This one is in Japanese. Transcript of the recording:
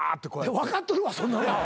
分かっとるわそんなん。